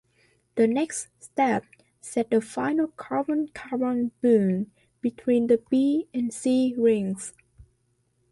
The next step set the final carbon-carbon bond between the B and C rings.